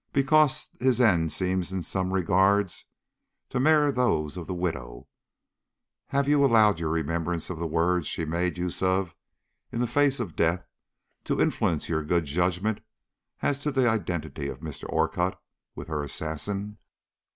Because his end seems in some regards to mirror that of the widow, have you allowed a remembrance of the words she made use of in the face of death to influence your good judgment as to the identity of Mr. Orcutt with her assassin?"